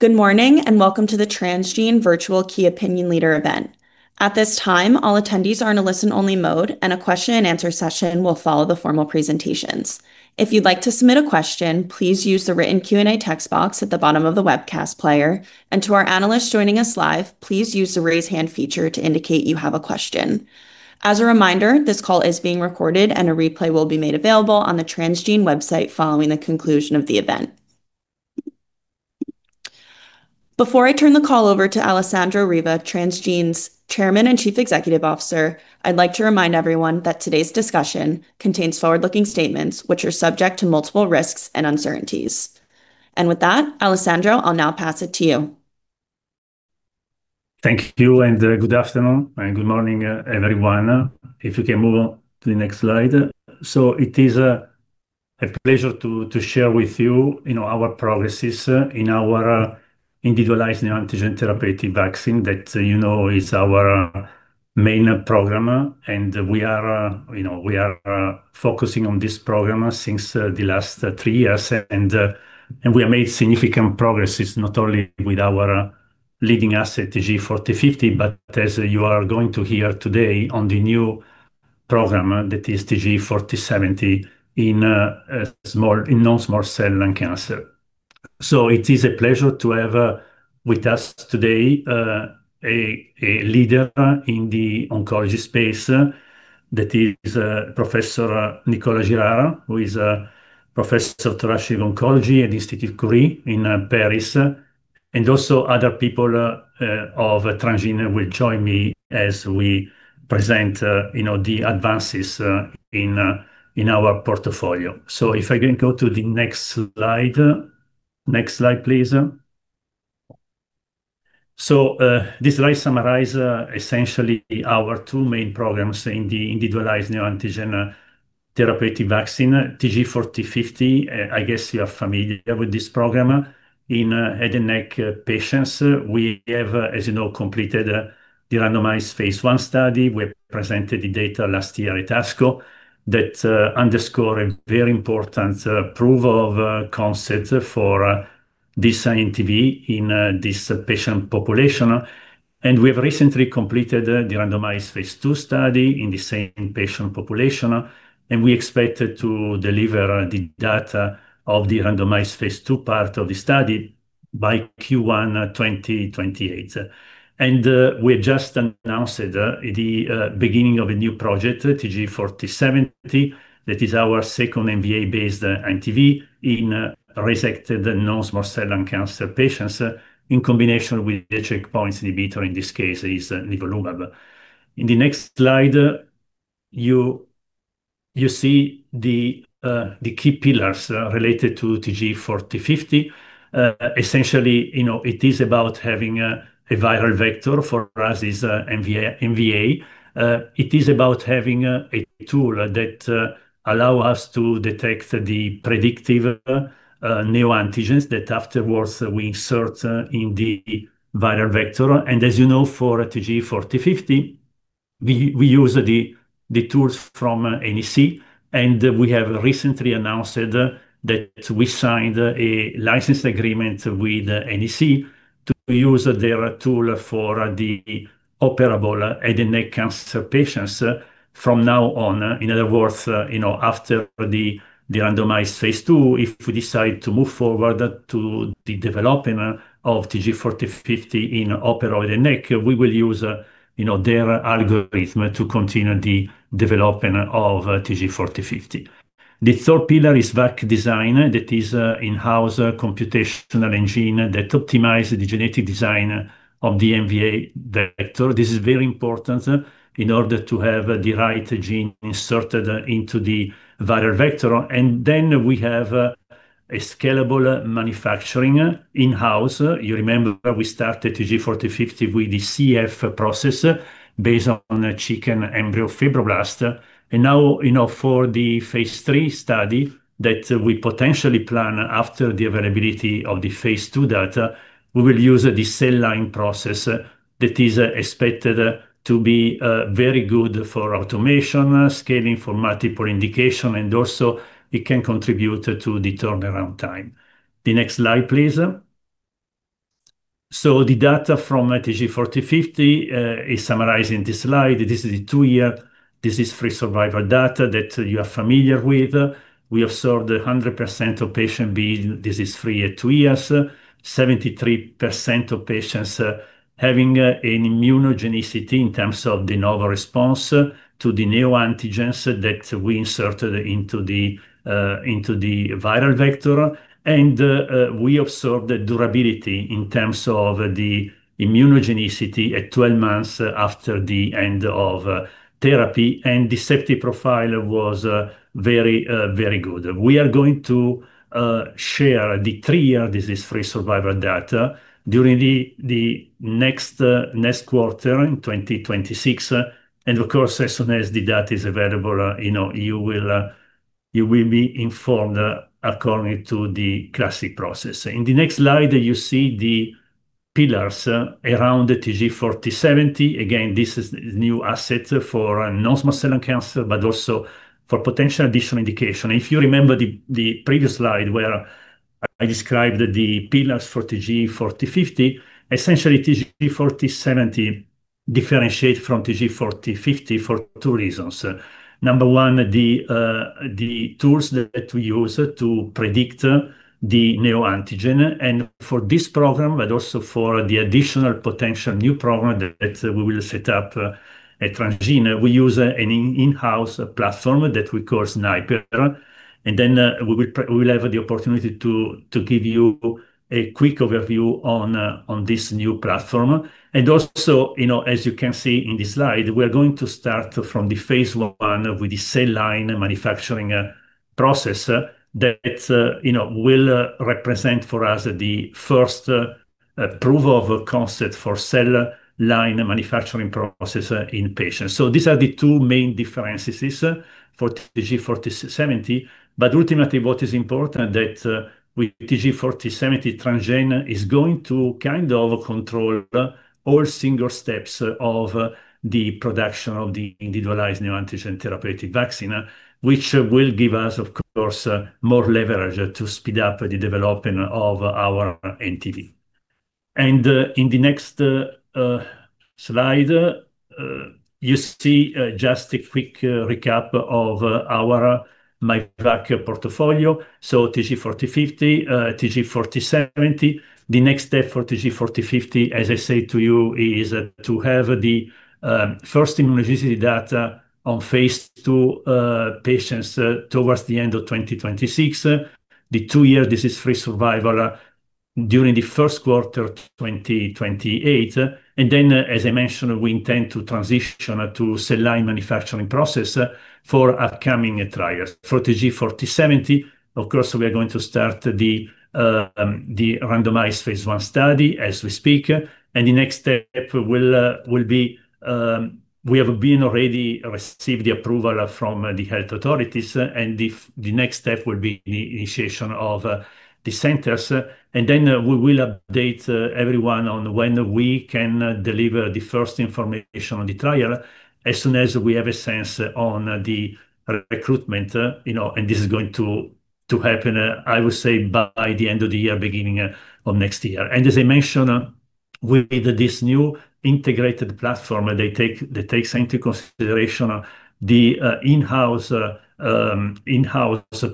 Good morning, and welcome to the Transgene Virtual Key Opinion Leader Event. At this time, all attendees are in a listen-only mode. A question and answer session will follow the formal presentations. If you'd like to submit a question, please use the written Q&A text box at the bottom of the webcast player. To our analysts joining us live, please use the raise hand feature to indicate you have a question. As a reminder, this call is being recorded and a replay will be made available on the Transgene website following the conclusion of the event. Before I turn the call over to Alessandro Riva, Transgene's Chairman and Chief Executive Officer, I'd like to remind everyone that today's discussion contains forward-looking statements which are subject to multiple risks and uncertainties. With that, Alessandro, I'll now pass it to you. Thank you. Good afternoon and good morning, everyone. If we can move to the next slide. It is a pleasure to share with you our progresses in our individualized neoantigen therapeutic vaccine that you know is our main program. We are focusing on this program since the last three years. We have made significant progresses, not only with our leading asset TG4050, but as you are going to hear today on the new program, that is TG4070, in non-small cell lung cancer. It is a pleasure to have with us today a leader in the oncology space, that is Professor Nicolas Girard, who is a Professor of Thoracic Oncology at Institut Curie in Paris. Also other people of Transgene will join me as we present the advances in our portfolio. If I can go to the next slide. Next slide, please. This slide summarize essentially our two main programs in the individualized neoantigen therapeutic vaccine, TG4050. I guess you are familiar with this program. In head and neck patients, we have, as you know, completed the randomized phase I study. We presented the data last year at ASCO that underscore a very important proof of concept for this INTV in this patient population. We have recently completed the randomized phase II study in the same patient population, and we expected to deliver the data of the randomized phase II part of the study by Q1 2028. We just announced the beginning of a new project, TG4070. That is our second MVA-based INTV in resected non-small cell lung cancer patients in combination with the checkpoint inhibitor, in this case, is nivolumab. In the next slide, you see the key pillars related to TG4050. Essentially, it is about having a viral vector. For us, it's MVA. It is about having a tool that allow us to detect the predictive neoantigens that afterwards we insert in the viral vector. As you know, for TG4050, we use the tools from NEC, and we have recently announced that we signed a license agreement with NEC to use their tool for the operable head and neck cancer patients from now on. In other words, after the randomized phase II, if we decide to move forward to the development of TG4050 in operable head and neck, we will use their algorithm to continue the development of TG4050. The third pillar is VacDesignR. That is in-house computational engine that optimize the genetic design of the MVA vector. This is very important in order to have the right gene inserted into the viral vector. We have a scalable manufacturing in-house. You remember we started TG4050 with the CEF process based on chicken embryo fibroblast. For the phase III study that we potentially plan after the availability of the phase II data, we will use the cell line process that is expected to be very good for automation, scaling for multiple indication, and also it can contribute to the turnaround time. The next slide, please. The data from TG4050 is summarized in this slide. This is the two-year disease-free survival data that you are familiar with. We observed 100% of patients being disease-free at two years, 73% of patients having an immunogenicity in terms of the novel response to the neoantigens that we inserted into the viral vector. We observed the durability in terms of the immunogenicity at 12 months after the end of therapy, and the safety profile was very good. We are going to share the three-year disease-free survival data during the next quarter in 2026. As soon as the data is available, you will be informed according to the classic process. In the next slide, you see the pillars around the TG4070. Again, this is new asset for non-small cell lung cancer, but also for potential additional indication. If you remember the previous slide where I described the pillars for TG4050, essentially TG4070 differentiate from TG4050 for two reasons. Number one, the tools that we use to predict the neoantigen, for this program, but also for the additional potential new program that we will set up at Transgene. We use an in-house platform that we call SNIPER, we will have the opportunity to give you a quick overview on this new platform. As you can see in this slide, we are going to start from the phase I with the cell line manufacturing process that will represent for us the first proof of concept for cell line manufacturing process in patients. These are the two main differences for TG4070. What is important that with TG4070, Transgene is going to kind of control all single steps of the production of the individualized neoantigen therapeutic vaccine, which will give us, of course, more leverage to speed up the development of our INTV. In the next slide, you see just a quick recap of our myvac portfolio. TG4050, TG4070. The next step for TG4050, as I say to you, is to have the first immunogenicity data on phase II patients towards the end of 2026. The two-year disease-free survival during the first quarter 2028. As I mentioned, we intend to transition to cell line manufacturing process for upcoming trials. For TG4070, of course, we are going to start the randomized phase I study as we speak. We have been already received the approval from the health authorities, and the next step will be the initiation of the centers. We will update everyone on when we can deliver the first information on the trial as soon as we have a sense on the recruitment. This is going to happen, I would say, by the end of the year, beginning of next year. As I mentioned, with this new integrated platform, that takes into consideration the in-house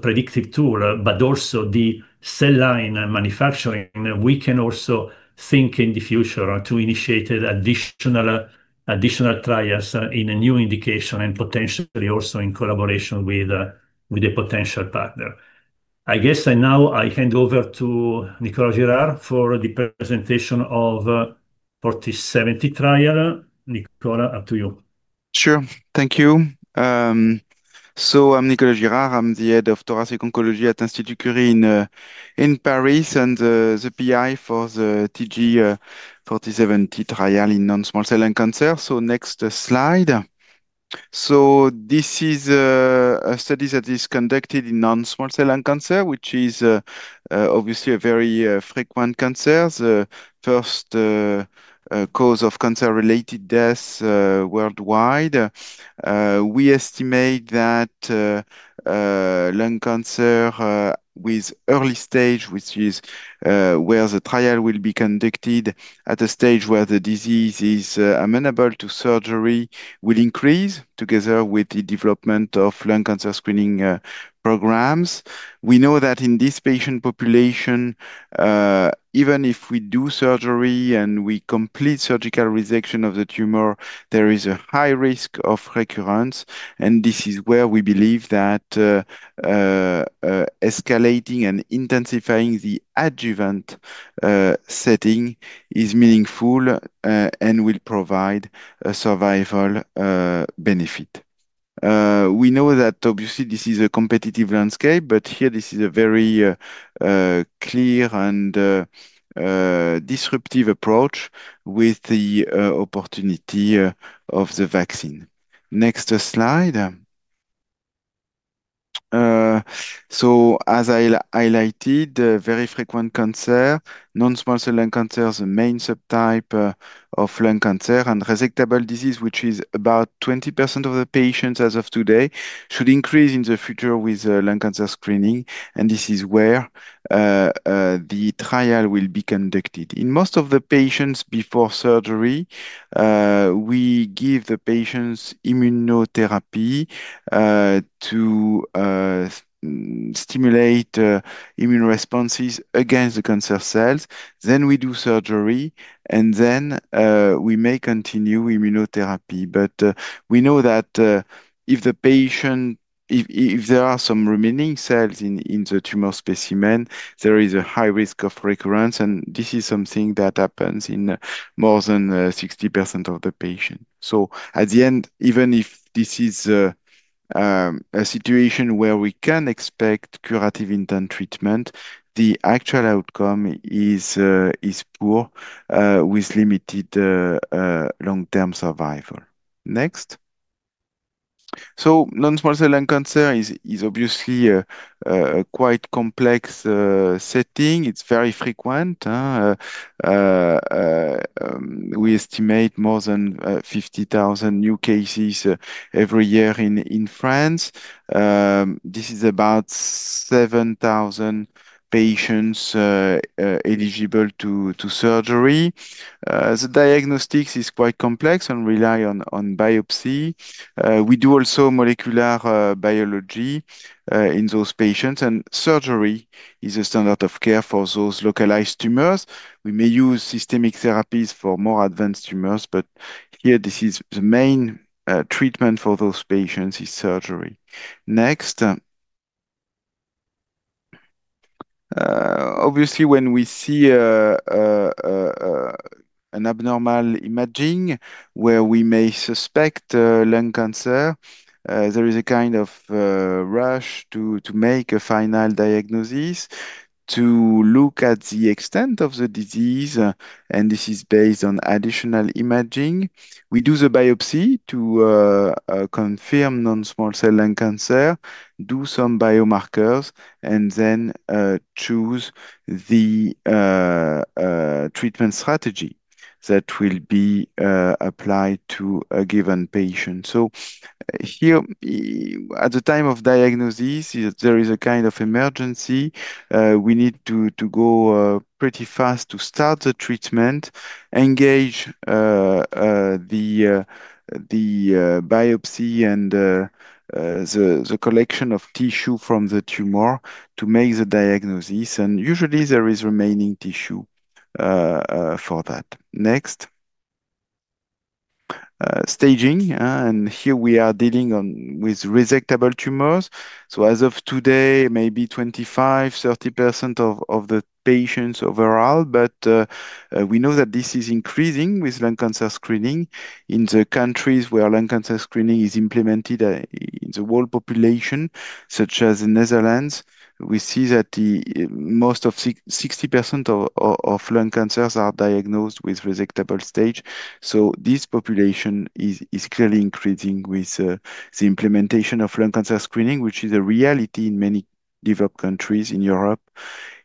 predictive tool, but also the cell line manufacturing. We can also think in the future to initiate additional trials in a new indication and potentially also in collaboration with a potential partner. I guess now I hand over to Nicolas Girard for the presentation of 4070 trial. Nicolas, up to you. Sure. Thank you. I'm Nicolas Girard. I'm the Head of Thoracic Oncology at Institut Curie in Paris, and the PI for the TG4070 trial in non-small cell lung cancer. Next slide. This is a study that is conducted in non-small cell lung cancer, which is obviously a very frequent cancer. The first cause of cancer-related deaths worldwide. We estimate that lung cancer with early stage, which is where the trial will be conducted, at a stage where the disease is amenable to surgery, will increase together with the development of lung cancer screening programs. We know that in this patient population, even if we do surgery and we complete surgical resection of the tumor, there is a high risk of recurrence. This is where we believe that escalating and intensifying the adjuvant setting is meaningful and will provide a survival benefit. We know that obviously this is a competitive landscape, here this is a very clear and disruptive approach with the opportunity of the vaccine. Next slide. As I highlighted, very frequent cancer, non-small cell lung cancer is the main subtype of lung cancer and resectable disease, which is about 20% of the patients as of today, should increase in the future with lung cancer screening. This is where the trial will be conducted. In most of the patients before surgery, we give the patients immunotherapy to stimulate immune responses against the cancer cells. We do surgery, we may continue immunotherapy. We know that if there are some remaining cells in the tumor specimen, there is a high risk of recurrence, and this is something that happens in more than 60% of the patient. At the end, even if this is a situation where we can expect curative intent treatment, the actual outcome is poor with limited long-term survival. Next. Non-small cell lung cancer is obviously a quite complex setting. It's very frequent. We estimate more than 50,000 new cases every year in France. This is about 7,000 patients eligible to surgery. The diagnostics is quite complex and rely on biopsy. We do also molecular biology in those patients, and surgery is a standard of care for those localized tumors. We may use systemic therapies for more advanced tumors, but here, this is the main treatment for those patients, is surgery. Next. Obviously, when we see an abnormal imaging where we may suspect lung cancer, there is a kind of rush to make a final diagnosis to look at the extent of the disease, this is based on additional imaging. We do the biopsy to confirm non-small cell lung cancer, do some biomarkers, and then choose the treatment strategy that will be applied to a given patient. Here, at the time of diagnosis, there is a kind of emergency. We need to go pretty fast to start the treatment, engage the biopsy, and the collection of tissue from the tumor to make the diagnosis. Usually, there is remaining tissue for that. Next. Staging. Here we are dealing with resectable tumors. As of today, maybe 25%-30% of the patients overall, but we know that this is increasing with lung cancer screening in the countries where lung cancer screening is implemented in the world population, such as the Netherlands. We see that most of 60% of lung cancers are diagnosed with resectable stage. This population is clearly increasing with the implementation of lung cancer screening, which is a reality in many developed countries in Europe,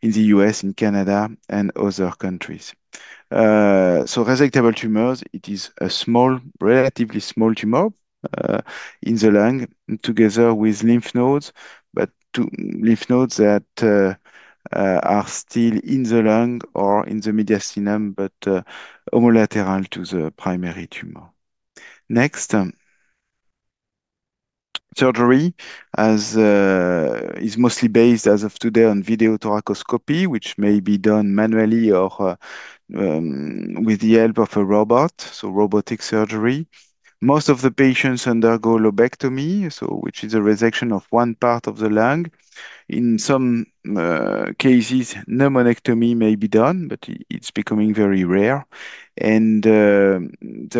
in the U.S., in Canada, and other countries. Resectable tumors, it is a relatively small tumor in the lung together with lymph nodes, but lymph nodes that are still in the lung or in the mediastinum, but homolateral to the primary tumor. Next. Surgery is mostly based, as of today, on video thoracoscopy, which may be done manually or with the help of a robot, so robotic surgery. Most of the patients undergo lobectomy, which is a resection of one part of the lung. In some cases, pneumonectomy may be done, but it's becoming very rare. There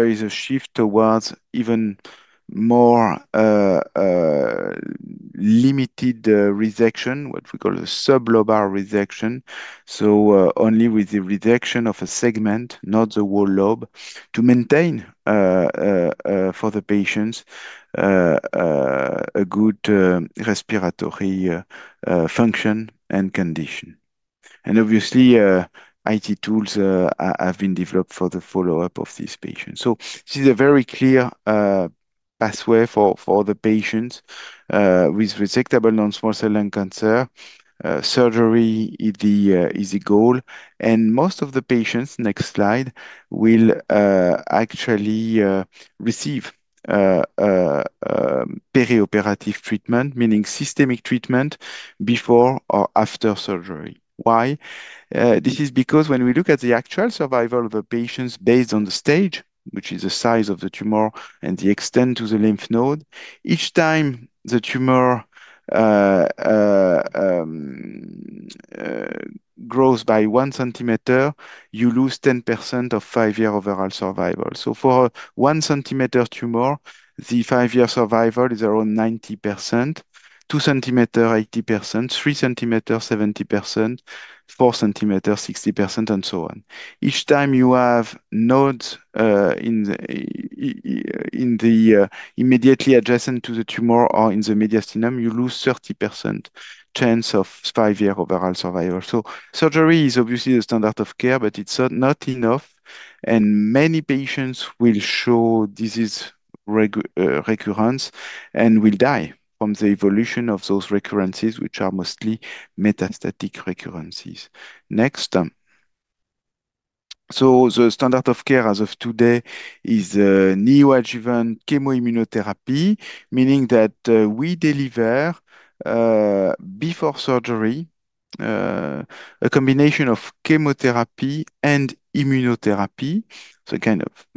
is a shift towards even more limited resection, what we call the sublobar resection. Only with the resection of a segment, not the whole lobe, to maintain, for the patients, a good respiratory function and condition. Obviously, IT tools have been developed for the follow-up of these patients. This is a very clear pathway for the patients with resectable non-small cell lung cancer. Surgery is the goal, and most of the patients, next slide, will actually receive perioperative treatment, meaning systemic treatment before or after surgery. Why? This is because when we look at the actual survival of a patient based on the stage, which is the size of the tumor and the extent to the lymph node, each time the tumor grows by one centimeter, you lose 10% of five-year overall survival. For 1 cm tumor, the five-year survival is around 90%, 2 cm, 80%, 3 cm, 70%, 4 cm, 60%, and so on. Each time you have nodes immediately adjacent to the tumor or in the mediastinum, you lose 30% chance of five-year overall survival. Surgery is obviously a standard of care, but it's not enough, and many patients will show disease recurrence and will die from the evolution of those recurrences, which are mostly metastatic recurrences. Next. The standard of care as of today is neoadjuvant chemoimmunotherapy, meaning that we deliver before surgery, a combination of chemotherapy and immunotherapy, the kind of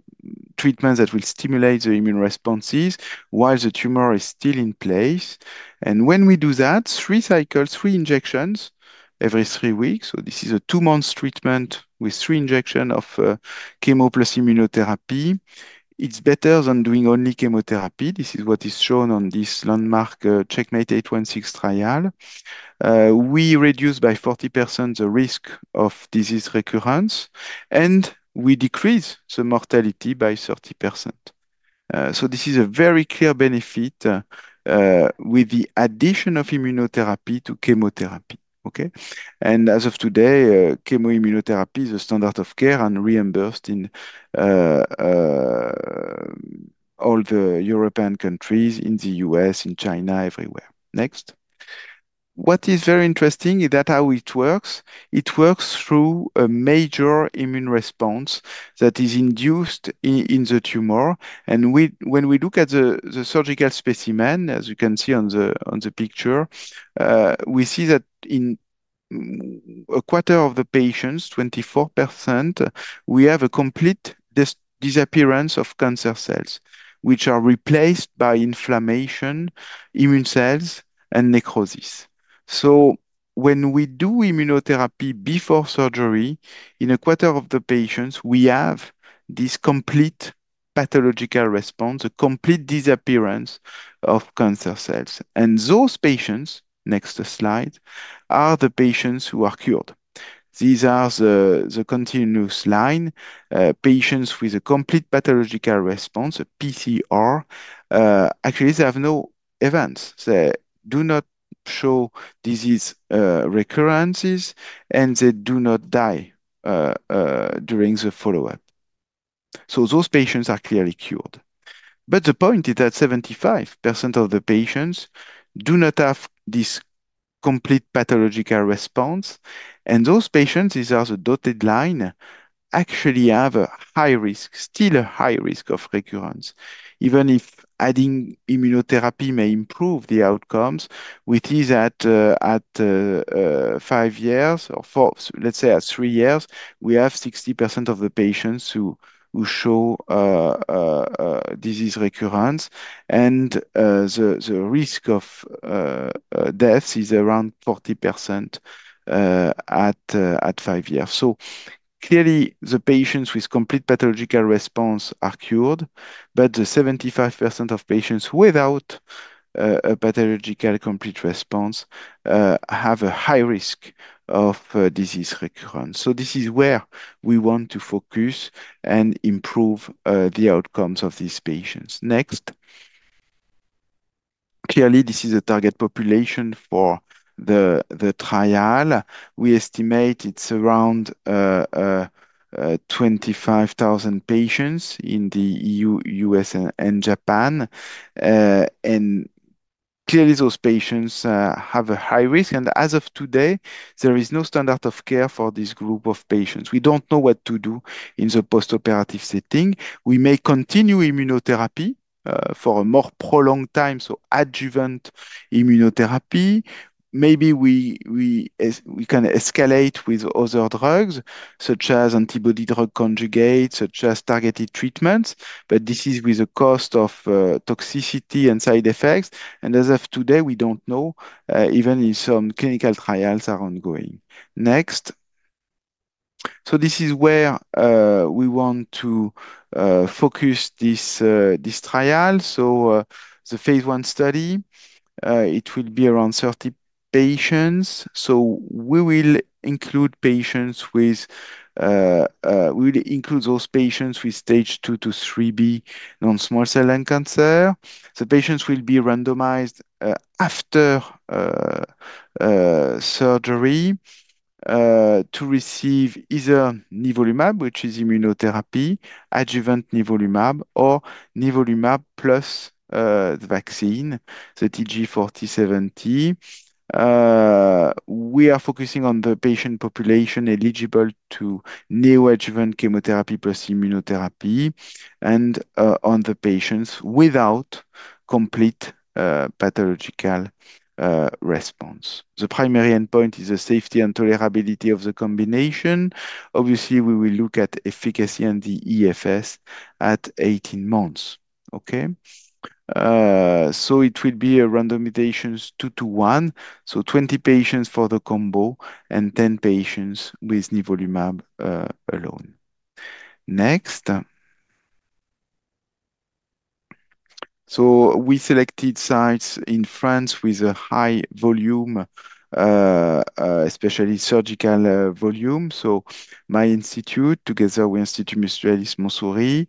treatment that will stimulate the immune responses while the tumor is still in place. When we do that, three cycles, three injections every three weeks, so this is a two-month treatment with three injection of chemo plus immunotherapy. It's better than doing only chemotherapy. This is what is shown on this landmark CheckMate 816 trial. We reduce by 40% the risk of disease recurrence, we decrease the mortality by 30%. This is a very clear benefit with the addition of immunotherapy to chemotherapy. Okay. As of today, chemoimmunotherapy is the standard of care and reimbursed in all the European countries, in the U.S., in China, everywhere. Next. What is very interesting is that how it works. It works through a major immune response that is induced in the tumor. When we look at the surgical specimen, as you can see on the picture, we see that in a quarter of the patients, 24%, we have a complete disappearance of cancer cells, which are replaced by inflammation, immune cells, and necrosis. When we do immunotherapy before surgery, in a quarter of the patients, we have this complete pathological response, a complete disappearance of cancer cells. Those patients, next slide, are the patients who are cured. These are the continuous line. Patients with a complete pathological response, a pCR, actually, they have no events. They do not show disease recurrences, and they do not die during the follow-up. Those patients are clearly cured. The point is that 75% of the patients do not have this complete pathological response. Those patients, these are the dotted line, actually have a high risk, still a high risk of recurrence. Even if adding immunotherapy may improve the outcomes, we see that at five years or let's say at three years, we have 60% of the patients who show disease recurrence and the risk of death is around 40% at five years. Clearly, the patients with complete pathological response are cured, but the 75% of patients without a pathological complete response have a high risk of disease recurrence. This is where we want to focus and improve the outcomes of these patients. Next. Clearly, this is a target population for the trial. We estimate it's around 25,000 patients in the E.U., U.S., and Japan. Clearly, those patients have a high risk. As of today, there is no standard of care for this group of patients. We don't know what to do in the postoperative setting. We may continue immunotherapy for a more prolonged time, adjuvant immunotherapy. Maybe we can escalate with other drugs such as antibody-drug conjugates, such as targeted treatments, but this is with the cost of toxicity and side effects. As of today, we don't know even if some clinical trials are ongoing. Next. This is where we want to focus this trial. The phase I study, it will be around 30 patients. We will include those patients with Stage 2 to 3b non-small cell lung cancer. The patients will be randomized after surgery to receive either nivolumab, which is immunotherapy, adjuvant nivolumab, or nivolumab plus the vaccine, the TG4070. We are focusing on the patient population eligible to neoadjuvant chemoimmunotherapy and on the patients without complete pathological response. The primary endpoint is the safety and tolerability of the combination. Obviously, we will look at efficacy and the EFS at 18 months. Okay. It will be a randomizations two to one, 20 patients for the combo and 10 patients with nivolumab alone. Next. We selected sites in France with a high volume, especially surgical volume. My institute, together with Institut Gustave Roussy,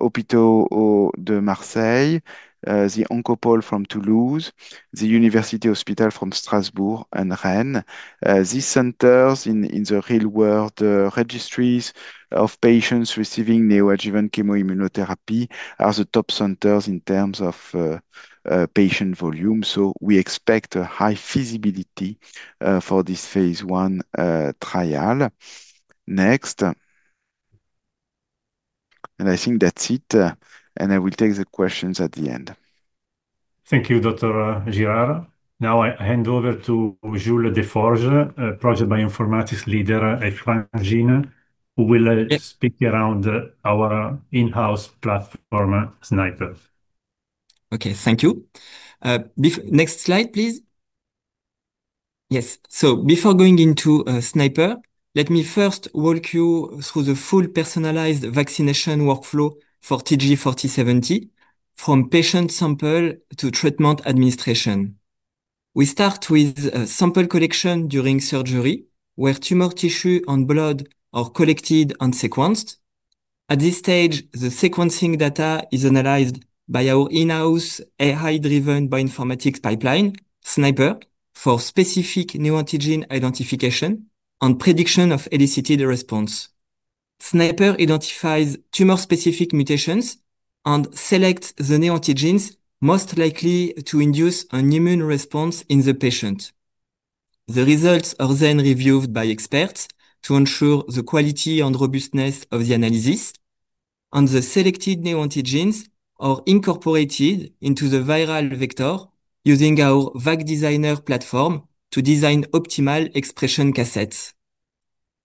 Hôpitaux de Marseille, the Oncopole de Toulouse, the University Hospital from Strasbourg and Rennes. These centers in the real world, the registries of patients receiving neoadjuvant chemoimmunotherapy are the top centers in terms of patient volume. We expect a high feasibility for this phase I trial. Next. I think that's it, and I will take the questions at the end. Thank you, Dr. Girard. Now I hand over to Jules Deforges, a Project Bioinformatics Leader at Transgene, who will speak around our in-house platform, SNIPER. Okay. Thank you. Next slide, please. Yes. Before going into SNIPER, let me first walk you through the full personalized vaccination workflow for TG4070, from patient sample to treatment administration. We start with sample collection during surgery, where tumor tissue and blood are collected and sequenced. At this stage, the sequencing data is analyzed by our in-house AI-driven bioinformatics pipeline, SNIPER, for specific neoantigen identification and prediction of elicited response. SNIPER identifies tumor-specific mutations and selects the neoantigens most likely to induce an immune response in the patient. The results are then reviewed by experts to ensure the quality and robustness of the analysis. The selected neoantigens are incorporated into the viral vector using our VacDesignR platform to design optimal expression cassettes.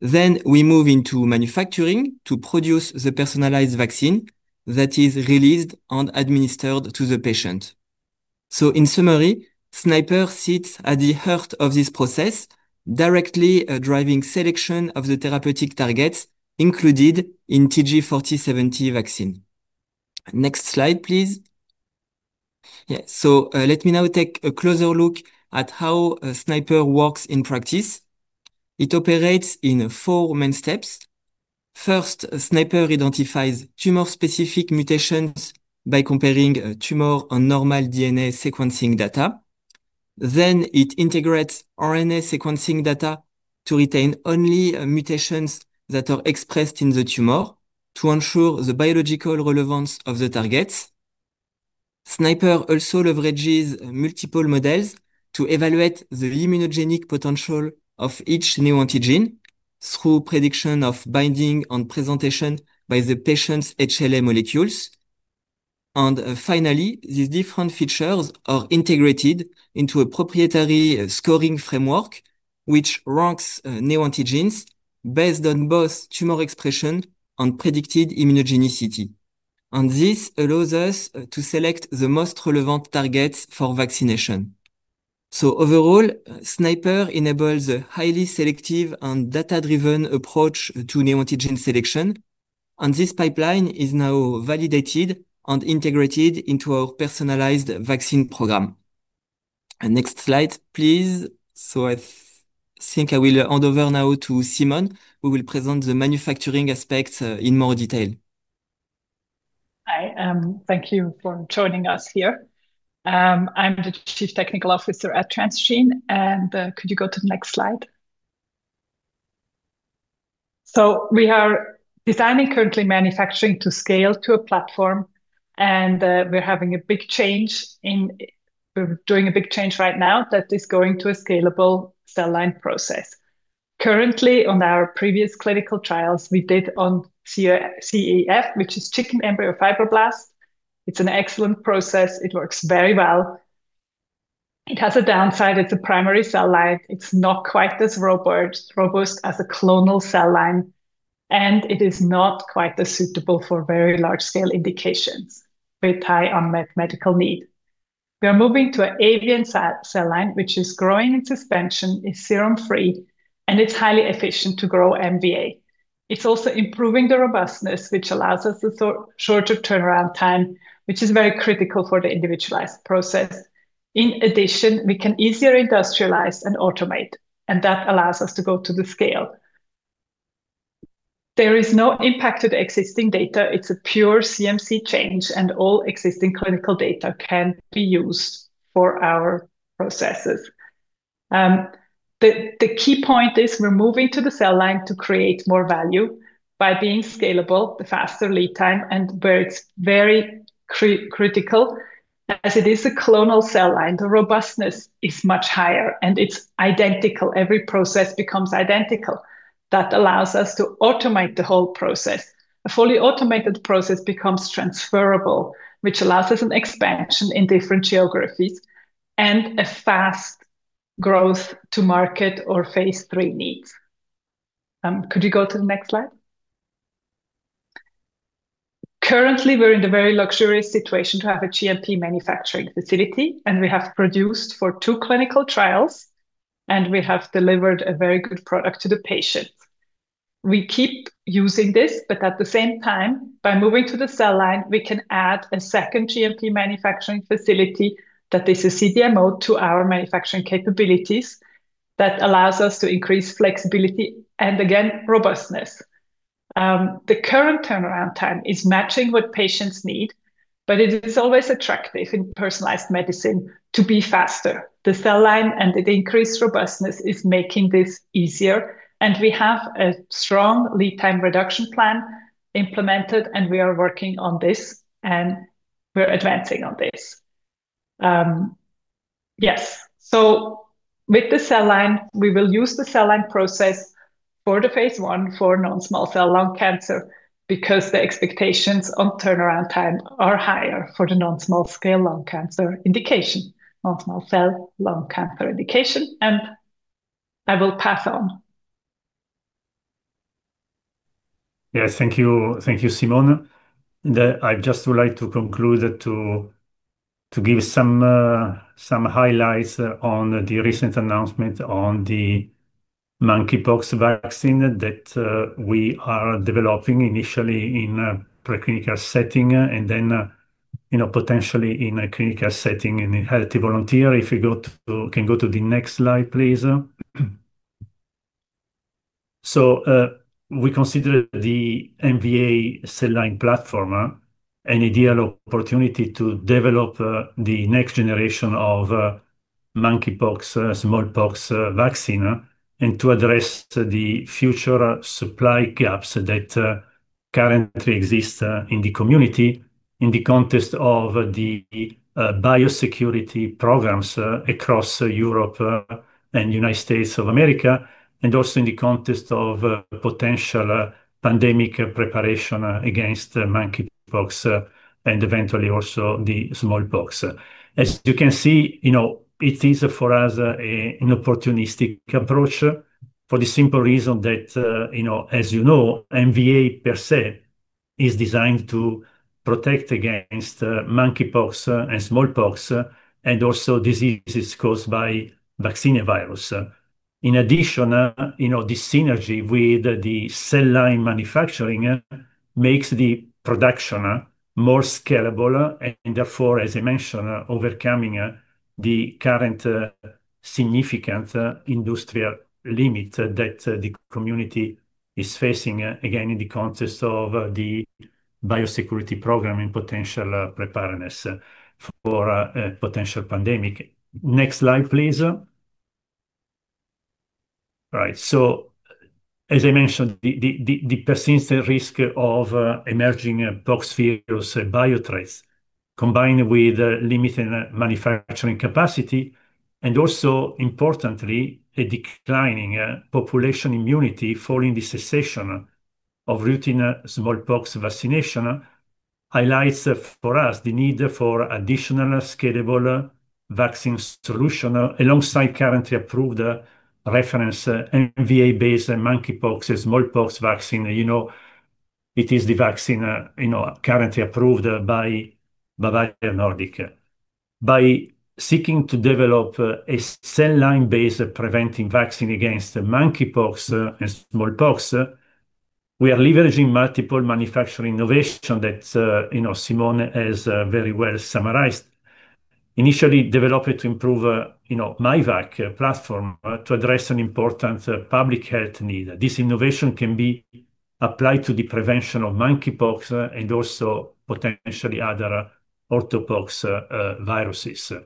We move into manufacturing to produce the personalized vaccine that is released and administered to the patient. In summary, SNIPER sits at the heart of this process, directly driving selection of the therapeutic targets included in TG4070 vaccine. Next slide, please. Yeah. Let me now take a closer look at how SNIPER works in practice. It operates in four main steps. First, SNIPER identifies tumor-specific mutations by comparing tumor and normal DNA sequencing data. It integrates RNA sequencing data to retain only mutations that are expressed in the tumor to ensure the biological relevance of the targets. SNIPER also leverages multiple models to evaluate the immunogenic potential of each neoantigen through prediction of binding and presentation by the patient's HLA molecules. Finally, these different features are integrated into a proprietary scoring framework, which ranks neoantigens based on both tumor expression and predicted immunogenicity. This allows us to select the most relevant targets for vaccination. Overall, SNIPER enables a highly selective and data-driven approach to neoantigen selection. This pipeline is now validated and integrated into our personalized vaccine program. Next slide, please. I think I will hand over now to Simone, who will present the manufacturing aspect in more detail. Hi, thank you for joining us here. I'm the Chief Technical Officer at Transgene. Could you go to the next slide? We are designing currently manufacturing to scale to a platform, we're doing a big change right now that is going to a scalable cell line process. Currently, on our previous clinical trials, we did on CEF, which is chicken embryo fibroblast. It's an excellent process. It works very well. It has a downside. It's a primary cell line. It's not quite as robust as a clonal cell line, and it is not quite as suitable for very large scale indications with high unmet medical need. We are moving to an avian cell line, which is growing in suspension, is serum-free, and it's highly efficient to grow MVA. It's also improving the robustness, which allows us a shorter turnaround time, which is very critical for the individualized process. In addition, we can easier industrialize and automate, and that allows us to go to the scale. There is no impact to the existing data. It's a pure CMC change, and all existing clinical data can be used for our processes. The key point is we're moving to the cell line to create more value by being scalable, the faster lead time, and where it's very critical. As it is a clonal cell line, the robustness is much higher, and it's identical. Every process becomes identical. That allows us to automate the whole process. A fully automated process becomes transferable, which allows us an expansion in different geographies and a fast growth to market or phase III needs. Could you go to the next slide? Currently, we're in the very luxurious situation to have a GMP manufacturing facility, and we have produced for two clinical trials, and we have delivered a very good product to the patients. We keep using this, but at the same time, by moving to the cell line, we can add a second GMP manufacturing facility that is a CDMO to our manufacturing capabilities that allows us to increase flexibility and again, robustness. The current turnaround time is matching what patients need, but it is always attractive in personalized medicine to be faster. The cell line and the increased robustness is making this easier, and we have a strong lead time reduction plan implemented, and we are working on this, and we're advancing on this. Yes. With the cell line, we will use the cell line process for the phase I for non-small cell lung cancer because the expectations on turnaround time are higher for the non-small cell lung cancer indication. I will pass on. Yes. Thank you, Simone. I would just like to conclude to give some highlights on the recent announcement on the Monkeypox vaccine that we are developing initially in a preclinical setting and then potentially in a clinical setting in a healthy volunteer. If we can go to the next slide, please. We consider the MVA cell line platform an ideal opportunity to develop the next generation of Monkeypox, Smallpox vaccine, and to address the future supply gaps that currently exist in the community in the context of the biosecurity programs across Europe and United States of America, and also in the context of potential pandemic preparation against Monkeypox, and eventually also the Smallpox. As you can see, it is for us an opportunistic approach for the simple reason that, as you know, MVA per se is designed to protect against Monkeypox and Smallpox, and also diseases caused by vaccinia virus. In addition, the synergy with the cell line manufacturing makes the production more scalable and therefore, as I mentioned, overcoming the current significant industrial limit that the community is facing, again, in the context of the biosecurity program and potential preparedness for a potential pandemic. Next slide, please. Right. As I mentioned, the persistent risk of emerging poxvirus bioterrorism threats, combined with limited manufacturing capacity and also, importantly, a declining population immunity following the cessation of routine Smallpox vaccination, highlights for us the need for additional scalable vaccine solution alongside currently approved reference MVA-based Monkeypox, Smallpox vaccine. You know it is the vaccine currently approved by Bavarian Nordic. By seeking to develop a cell line-based preventing vaccine against Monkeypox and Smallpox, we are leveraging multiple manufacturing innovation that Simone has very well summarized. Initially developed to improve myvac platform to address an important public health need. This innovation can be applied to the prevention of Monkeypox and also potentially other orthopoxviruses.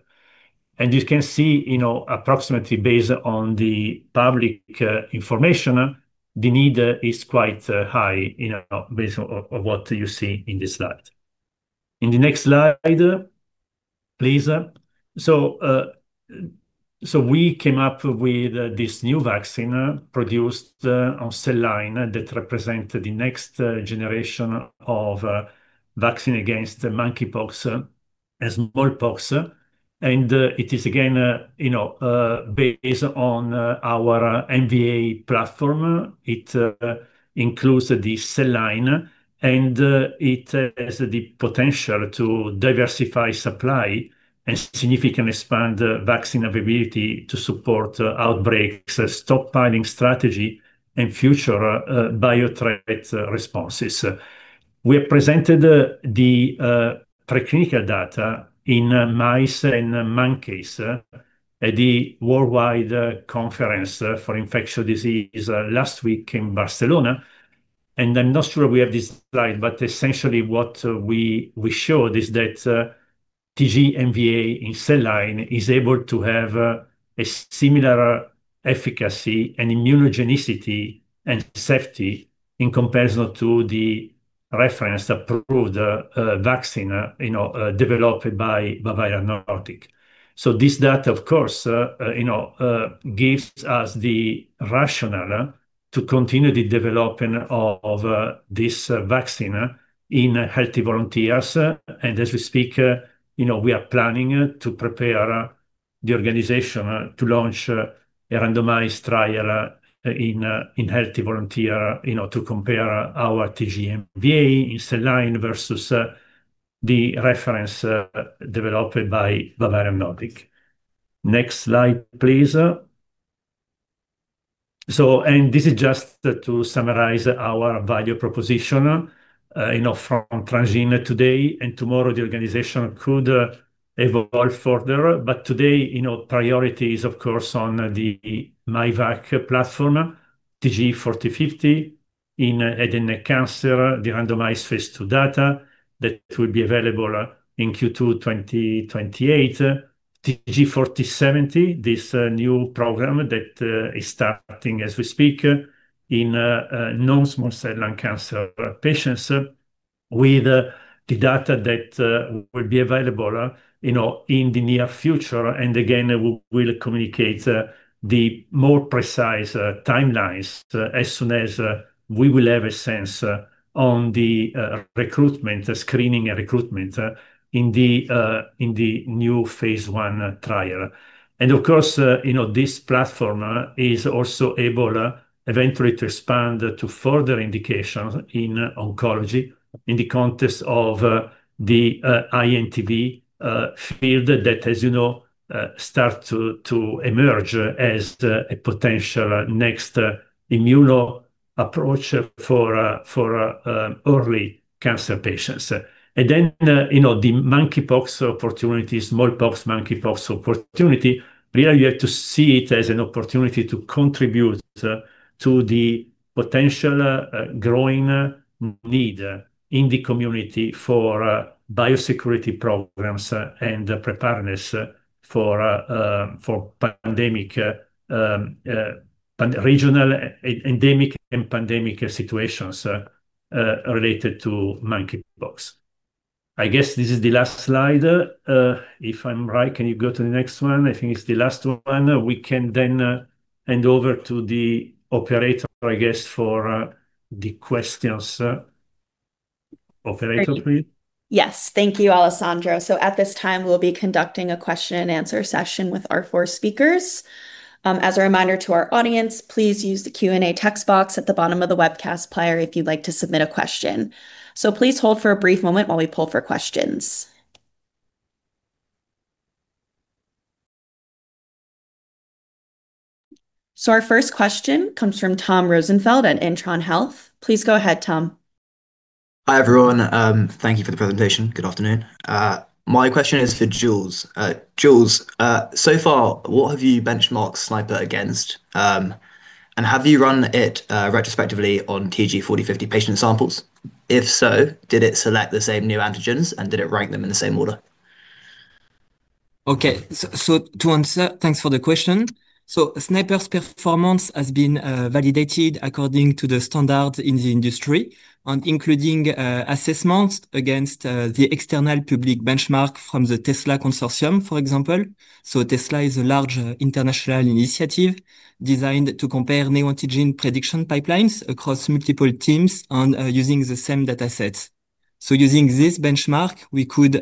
You can see, approximately based on the public information, the need is quite high, based on what you see in this slide. In the next slide, please. We came up with this new vaccine produced on cell line that represent the next generation of vaccine against Monkeypox and Smallpox. It is, again, based on our MVA platform. It includes the cell line, and it has the potential to diversify supply and significantly expand vaccine availability to support outbreaks, stockpiling strategy, and future biothreat responses. We have presented the preclinical data in mice and monkeys at the World Congress on Infectious Diseases last week in Barcelona. I'm not sure we have this slide, but essentially what we showed is that TG-MVA in cell line is able to have a similar efficacy and immunogenicity and safety in comparison to the reference approved vaccine developed by Bavarian Nordic. This data, of course, gives us the rationale to continue the development of this vaccine in healthy volunteers. As we speak, we are planning to prepare the organization to launch a randomized trial in healthy volunteer, to compare our TG-MVA in cell line versus the reference developed by Bavarian Nordic. Next slide, please. This is just to summarize our value proposition from Transgene today. Tomorrow, the organization could evolve further. Today, priority is, of course, on the myvac platform, TG4050 in head and neck cancer, the randomized phase II data that will be available in Q2 2028. TG4070, this new program that is starting as we speak in non-small cell lung cancer patients with the data that will be available in the near future. Again, we will communicate the more precise timelines as soon as we will have a sense on the screening and recruitment in the new phase I trial. Of course, this platform is also able eventually to expand to further indications in oncology in the context of the INTV field that, as you know, start to emerge as a potential next immuno approach for early cancer patients. Then the Monkeypox opportunities, Smallpox, Monkeypox opportunity. Really, you have to see it as an opportunity to contribute to the potential growing need in the community for biosecurity programs and preparedness for pandemic and regional endemic and pandemic situations related to Monkeypox. I guess this is the last slide. If I'm right, can you go to the next one? I think it's the last one. We can hand over to the operator, I guess, for the questions. Operator, please. Yes. Thank you, Alessandro. At this time, we'll be conducting a question and answer session with our four speakers. As a reminder to our audience, please use the Q&A text box at the bottom of the webcast player if you'd like to submit a question. Please hold for a brief moment while we pull for questions. Our first question comes from Tom Rosenfeld at Intron Health. Please go ahead, Tom. Hi, everyone. Thank you for the presentation. Good afternoon. My question is for Jules. Jules, so far, what have you benchmarked SNIPER against? Have you run it retrospectively on TG4050 patient samples? If so, did it select the same neoantigens, and did it rank them in the same order? Okay. To answer, thanks for the question. SNIPER's performance has been validated according to the standard in the industry on including assessments against the external public benchmark from the TESLA consortium, for example. TESLA is a large international initiative designed to compare neoantigen prediction pipelines across multiple teams and using the same data sets. Using this benchmark, we could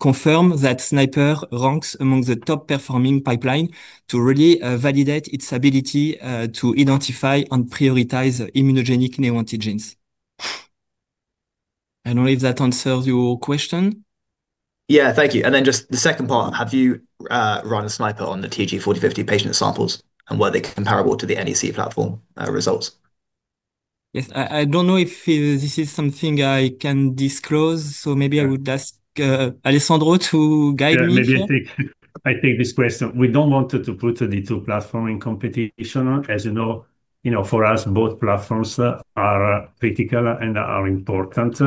confirm that SNIPER ranks among the top performing pipeline to really validate its ability to identify and prioritize immunogenic neoantigens. I don't know if that answers your question. Yeah. Thank you. Then just the second part, have you run SNIPER on the TG4050 patient samples, and were they comparable to the NEC platform results? Yes. I don't know if this is something I can disclose, maybe I would ask Alessandro to guide me here. Yeah. Maybe I take this question. We don't want to put the two platforms in competition. As you know, for us, both platforms are critical and are important,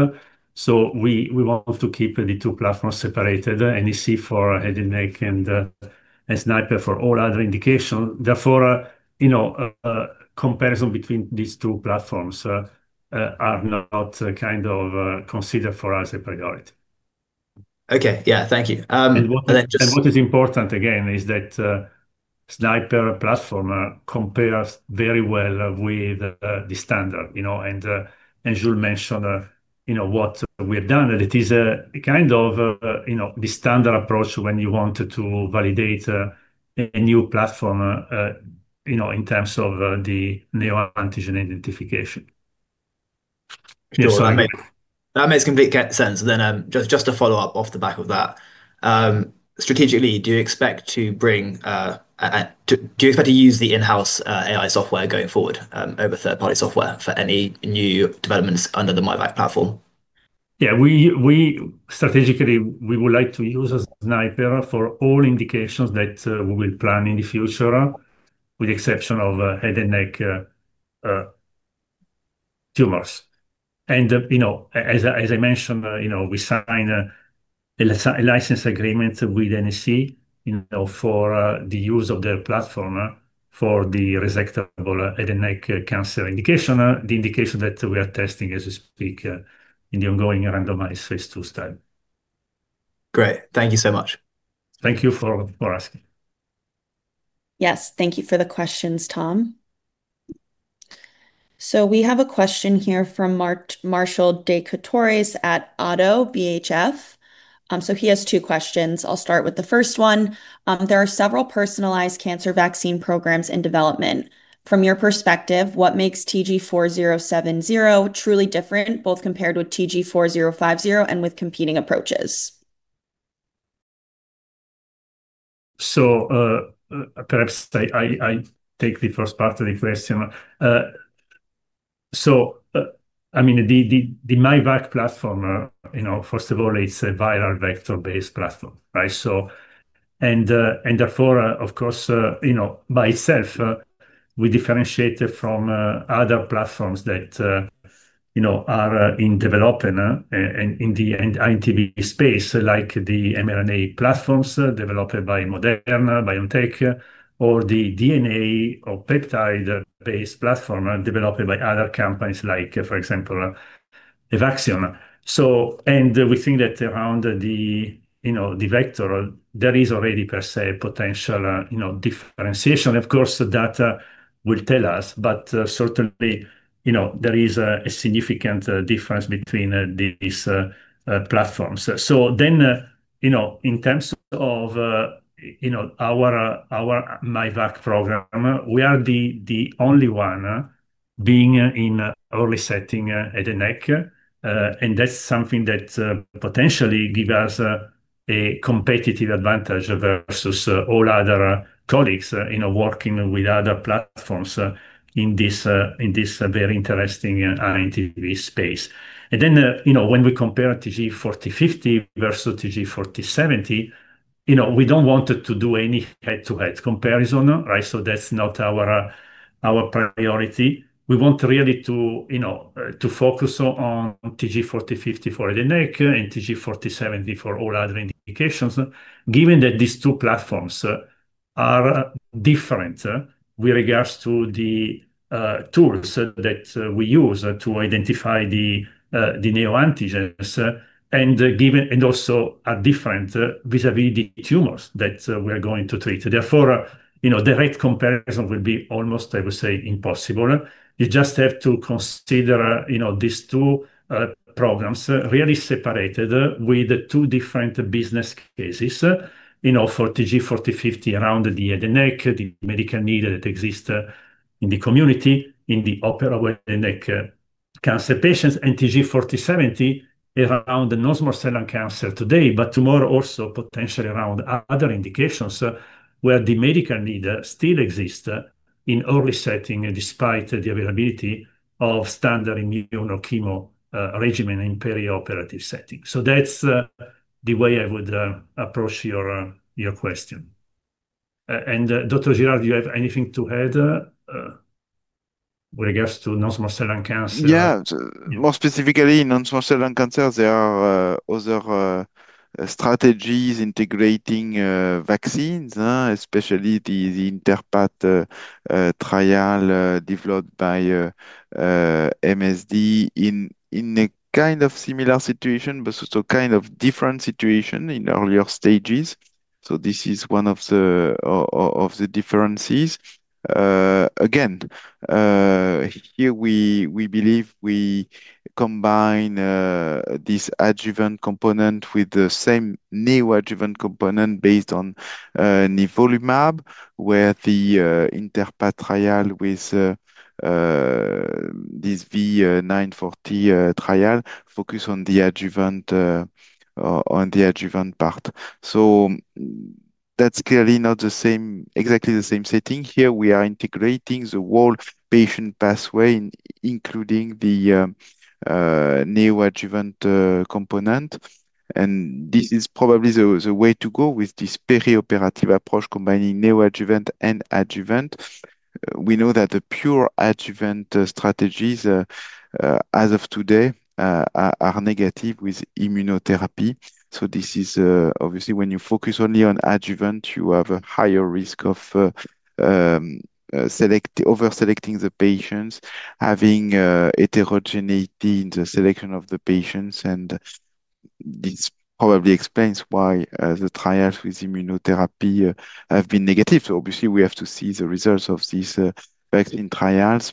so we want to keep the two platforms separated, NEC for head and neck and SNIPER for all other indications. Comparison between these two platforms is not kind of considered for us a priority. Okay. Yeah. Thank you. What is important, again, is that SNIPER platform compares very well with the standard. Jules mentioned what we have done, that it is a kind of the standard approach when you want to validate a new platform in terms of the neoantigen identification. Sure. That makes complete sense. Then just to follow up off the back of that, strategically, do you expect to use the in-house AI software going forward over third-party software for any new developments under the myvac platform? Strategically, we would like to use SNIPER for all indications that we will plan in the future, with the exception of head and neck tumors. As I mentioned, we signed a license agreement with NEC for the use of their platform for the resectable head and neck cancer indication, the indication that we are testing as we speak in the ongoing randomized phase II study. Great. Thank you so much. Thank you for asking. Thank you for the questions, Tom. We have a question here from Martial Descoutures at ODDO BHF. He has two questions. I'll start with the first one. There are several personalized cancer vaccine programs in development. From your perspective, what makes TG4070 truly different, both compared with TG4050 and with competing approaches? Perhaps I take the first part of the question. The myvac platform, first of all, it's a viral vector-based platform, right? Therefore, of course, by itself, we differentiate it from other platforms that are in development in the INTV space, like the mRNA platforms developed by Moderna, BioNTech, or the DNA or peptide-based platform developed by other companies like, for example, Evaxion. We think that around the vector, there is already, per se, potential differentiation. Of course, the data will tell us, but certainly there is a significant difference between these platforms. In terms of our myvac program, we are the only one being in early setting head and neck, and that's something that potentially give us a competitive advantage versus all other colleagues working with other platforms in this very interesting INTV space. When we compare TG4050 versus TG4070, we don't want to do any head-to-head comparison. That's not our priority. We want really to focus on TG4050 for head and neck and TG4070 for all other indications, given that these two platforms are different with regards to the tools that we use to identify the neoantigens, and also are different vis-à-vis the tumors that we are going to treat. Therefore, the right comparison will be almost, I would say, impossible. You just have to consider these two programs really separated with two different business cases. For TG4050 around the head and neck, the medical need that exist in the community, in the operable head and neck cancer patients, and TG4070 around the non-small cell lung cancer today, but tomorrow also potentially around other indications where the medical need still exist in early setting despite the availability of standard immunochemotherapy regimen in perioperative setting. That's the way I would approach your question. Dr. Girard, do you have anything to add with regards to non-small cell lung cancer? More specifically, in non-small cell lung cancer, there are other strategies integrating vaccines, especially the INTerpath trial developed by MSD in a kind of similar situation but also kind of different situation in earlier stages. This is one of the differences. Again, here we believe we combine this adjuvant component with the same neoadjuvant component based on nivolumab, where the INTerpath trial with this V940 trial focus on the adjuvant part. That's clearly not exactly the same setting. Here we are integrating the whole patient pathway, including the neoadjuvant component, and this is probably the way to go with this perioperative approach, combining neoadjuvant and adjuvant. We know that the pure adjuvant strategies, as of today, are negative with immunotherapy. This is, obviously, when you focus only on adjuvant, you have a higher risk of over-selecting the patients, having heterogeneity in the selection of the patients, and this probably explains why the trials with immunotherapy have been negative. Obviously we have to see the results of these vaccine trials.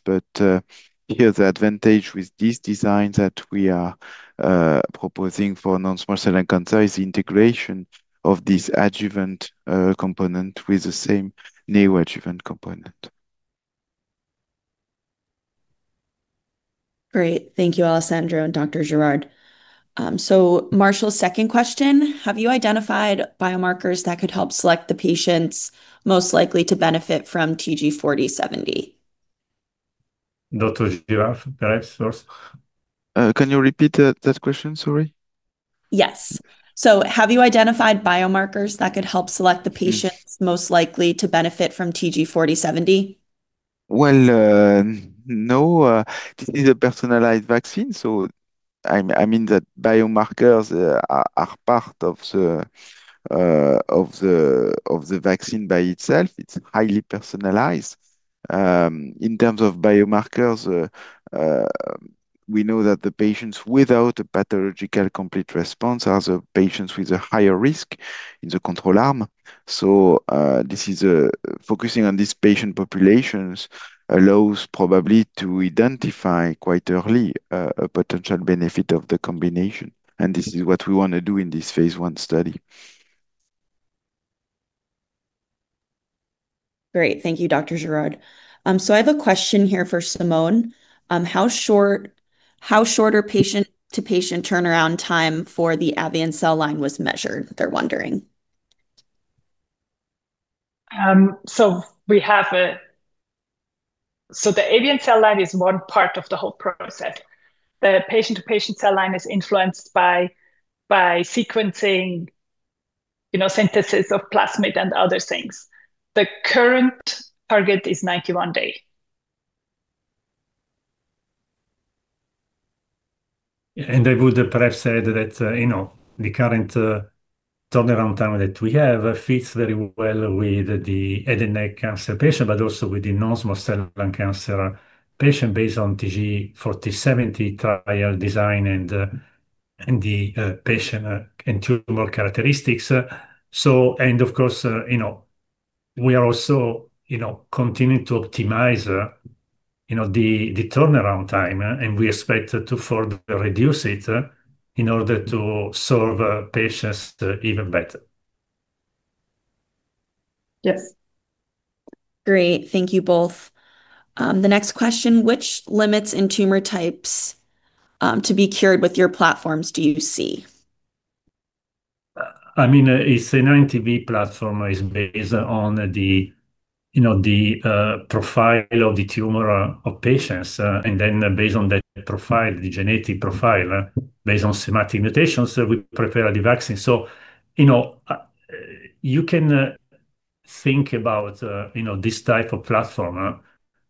Here, the advantage with this design that we are proposing for non-small cell lung cancer is integration of this adjuvant component with the same neoadjuvant component. Great. Thank you, Alessandro and Dr. Girard. Martial's second question, have you identified biomarkers that could help select the patients most likely to benefit from TG4070? Dr. Girard, perhaps first. Can you repeat that question? Sorry. Yes. Have you identified biomarkers that could help select the patients most likely to benefit from TG4070? Well, no. This is a personalized vaccine, so the biomarkers are part of the vaccine by itself. It's highly personalized. In terms of biomarkers, we know that the patients without a pathological complete response are the patients with a higher risk in the control arm. Focusing on these patient populations allows probably to identify quite early a potential benefit of the combination, and this is what we want to do in this phase I study. Great. Thank you, Dr. Girard. I have a question here for Simone. "How shorter patient-to-patient turnaround time for the avian cell line was measured?" They're wondering. The avian cell line is one part of the whole process. The patient-to-patient cell line is influenced by sequencing, synthesis of plasmid and other things. The current target is 91 day. I would perhaps say that the current turnaround time that we have fits very well with the head and neck cancer patient, but also with the non-small cell lung cancer patient based on TG4070 trial design and the patient and tumor characteristics. Of course, we are also continuing to optimize the turnaround time, and we expect to further reduce it in order to serve patients even better. Yes. Great. Thank you both. The next question, which limits in tumor types to be cured with your platforms do you see? It's an INTV platform is based on the profile of the tumor of patients. Based on that profile, the genetic profile, based on somatic mutations, we prepare the vaccine. You can think about this type of platform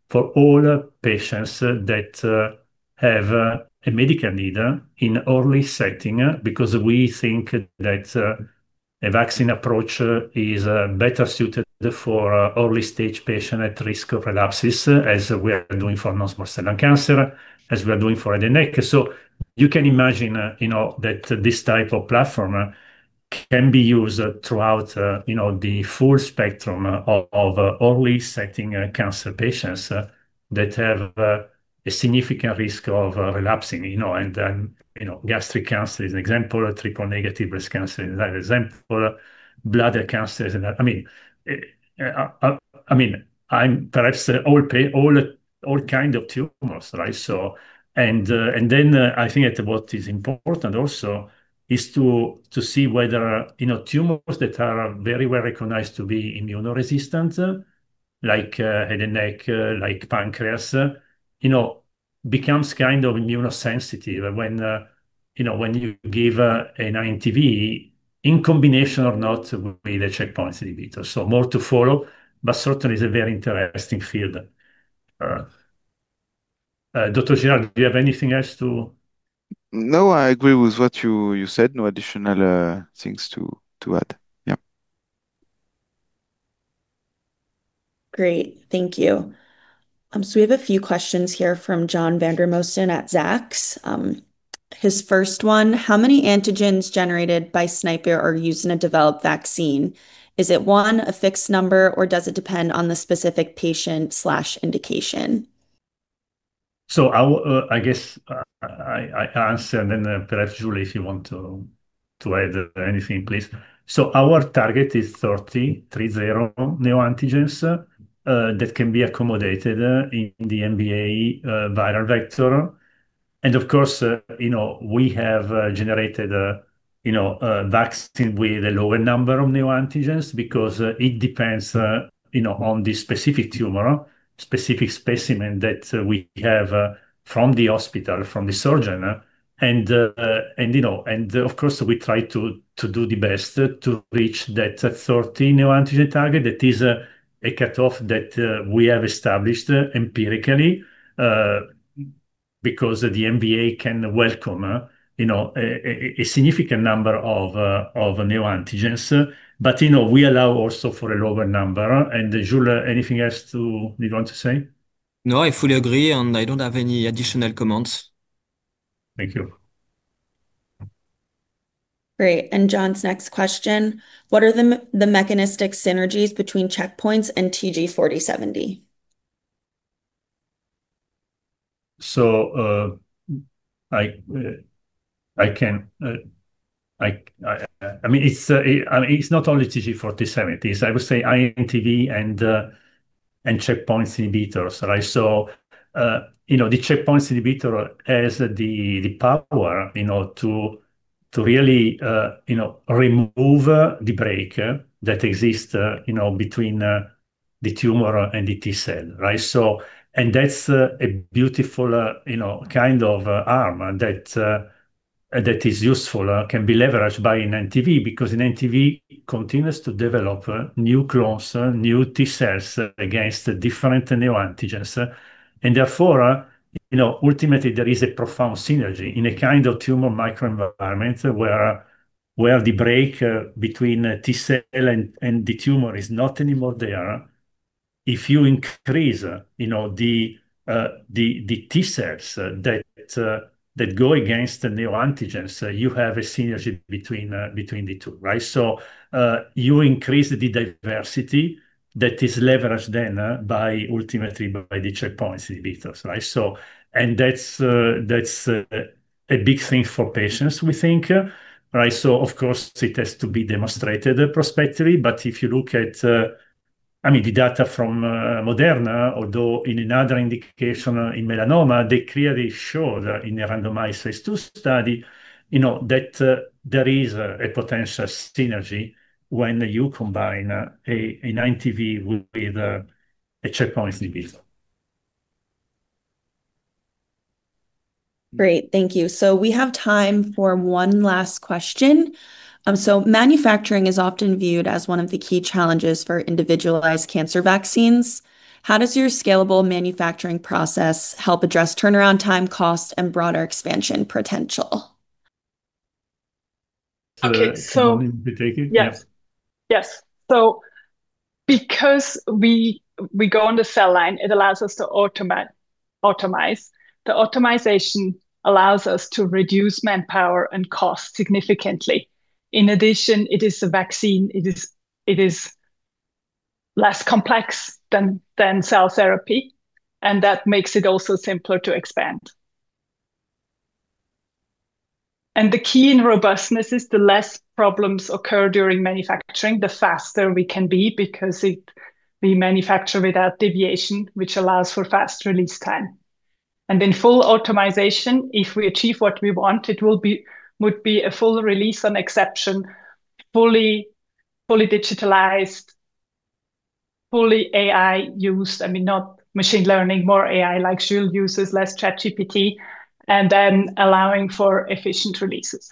for all patients that have a medical need in early setting, because we think that a vaccine approach is better suited for early stage patient at risk of relapses, as we are doing for non-small cell lung cancer, as we are doing for head and neck. You can imagine that this type of platform can be used throughout the full spectrum of early setting cancer patients that have a significant risk of relapsing. Gastric cancer is an example, triple negative breast cancer is an example, bladder cancer. Perhaps all kind of tumors. Right? I think that what is important also is to see whether tumors that are very well recognized to be immunoresistant, like head and neck, like pancreas, becomes kind of immunosensitive when you give an INTV in combination or not with a checkpoint inhibitor. More to follow, but certainly is a very interesting field. Dr. Girard, do you have anything else to? No, I agree with what you said. No additional things to add. Yep. Great. Thank you. We have a few questions here from John Vandermosten at Zacks. His first one, how many antigens generated by SNIPER are used in a developed vaccine? Is it, one, a fixed number, or does it depend on the specific patient/indication? I guess I answer, and then perhaps, Jules, if you want to add anything, please. Our target is 30, neoantigens that can be accommodated in the MVA viral vector. Of course, we have generated a vaccine with a lower number of neoantigens because it depends on the specific tumor, specific specimen that we have from the hospital, from the surgeon. Of course, we try to do the best to reach that 30 neoantigen target. That is a cutoff that we have established empirically, because the MVA can welcome a significant number of neoantigens. We allow also for a lower number. Jules, anything else that you want to say? No, I fully agree, and I don't have any additional comments. Thank you. Great, John's next question, what are the mechanistic synergies between checkpoints and TG4070? It's not only TG4070. I would say INTV and checkpoint inhibitors. Right? The checkpoint inhibitor has the power to really remove the break that exists between the tumor and the T cell. Right? That's a beautiful kind of arm that is useful, can be leveraged by an INTV, because an INTV continues to develop new clones, new T cells against different neoantigens. Therefore, ultimately there is a profound synergy in a kind of tumor microenvironment, where the break between T cell and the tumor is not anymore there. If you increase the T cells that go against the neoantigens, you have a synergy between the two. Right? You increase the diversity that is leveraged then ultimately by the checkpoint inhibitors. Right? That's a big thing for patients, we think. Right? Of course it has to be demonstrated prospectively, if you look at the data from Moderna, although in another indication in melanoma, they clearly show that in a randomized phase II study, that there is a potential synergy when you combine an INTV with a checkpoint inhibitor. Great. Thank you. We have time for one last question. Manufacturing is often viewed as one of the key challenges for individualized cancer vaccines. How does your scalable manufacturing process help address turnaround time, cost, and broader expansion potential? Okay. Simone, Can you take it? Yes. Because we go on the cell line, it allows us to automate. The automation allows us to reduce manpower and cost significantly. In addition, it is a vaccine. It is less complex than cell therapy, and that makes it also simpler to expand. The key in robustness is the less problems occur during manufacturing, the faster we can be, because we manufacture without deviation, which allows for fast release time. Then full automation, if we achieve what we want, it would be a full release on exception, fully digitalized, fully AI used. Not machine learning, more AI, like Jules uses, less ChatGPT, and then allowing for efficient releases.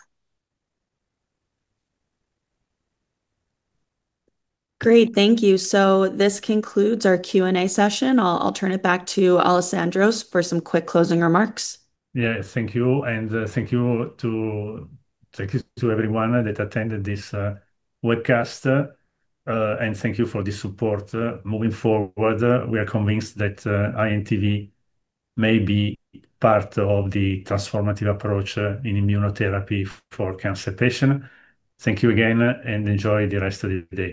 Great. Thank you. This concludes our Q&A session. I will turn it back to Alessandro for some quick closing remarks. Thank you, and thank you to everyone that attended this webcast. Thank you for the support. Moving forward, we are convinced that INTV may be part of the transformative approach in immunotherapy for cancer patient. Thank you again, and enjoy the rest of the day.